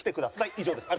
以上です。